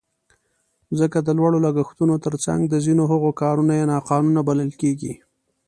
ځکه د لوړو لګښتونو تر څنګ د ځینو هغو کارونه یې ناقانونه بلل کېږي.